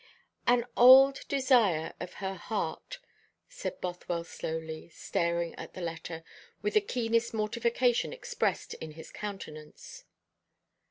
"An old desire of her heart," said Bothwell slowly, staring at the letter, with the keenest mortification expressed in his countenance.